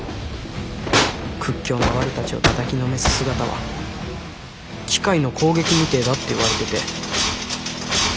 屈強なワルたちをたたきのめす姿は機械の攻撃みてえだって言われてて。